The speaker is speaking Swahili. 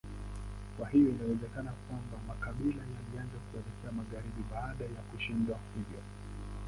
Kwa hiyo inawezekana kwamba makabila yalianza kuelekea magharibi baada ya kushindwa hivyo.